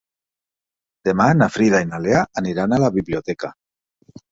Demà na Frida i na Lea aniran a la biblioteca.